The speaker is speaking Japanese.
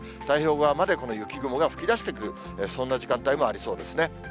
太平洋側までこの雪雲が噴き出してくる、そんな時間帯もありそうですね。